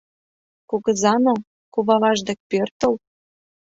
Кугызана, куваваж дек пӧртыл